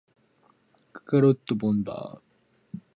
She was among the last two in service.